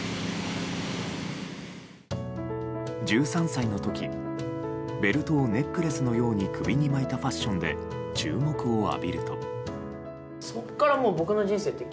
１３歳の時ベルトをネックレスのように首に巻いたファッションで注目を浴びると。